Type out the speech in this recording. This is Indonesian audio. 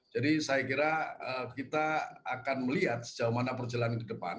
jadi saya kira kita akan melihat sejauh mana perjalanan di depan